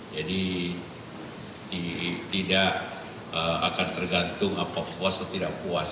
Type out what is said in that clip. jadi tidak akan tergantung apa puas atau tidak puas